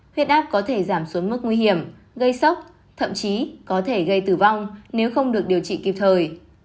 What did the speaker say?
huyết áp có thể giảm xuống mức nguy hiểm gây sốc thậm chí có thể gây tử vong nếu không được điều trị kịp thời